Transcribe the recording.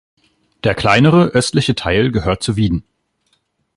Der kleinere, östliche Teil gehört zu Wieden.